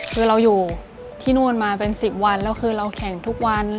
คือเราอยู่ที่นู่นมาเป็น๑๐วันแล้วคือเราแข่งทุกวัน